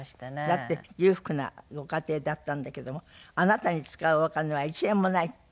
だって裕福なご家庭だったんだけども「あなたに使うお金は１円もない」って言われてた。